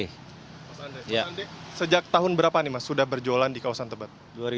mas andre sejak tahun berapa nih mas sudah berjualan di kawasan tebet